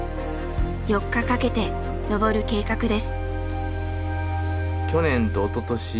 ４日かけて登る計画です。